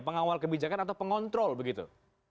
pengawal kebijakan atau pengontrol begitu